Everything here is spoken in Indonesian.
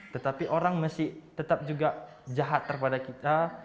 tetapi orang masih tetap juga jahat terhadap kita